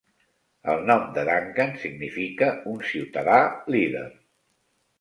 El nom de Duncan significa un "ciutadà líder".